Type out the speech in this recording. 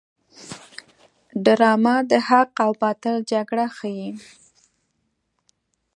ډرامه د حق او باطل جګړه ښيي